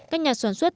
các nhà sản xuất